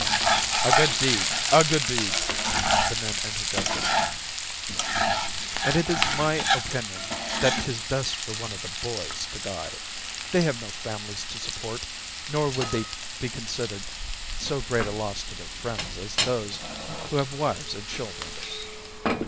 "A good deed! A good deed!" the men interjected. "And it is my opinion that 'tis best for one of the boys to die. They have no families to support, nor would they be considered so great a loss to their friends as those who have wives and children."